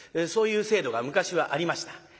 そういう制度が昔はありました。